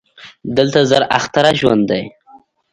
دلته زر اختره ژوند دی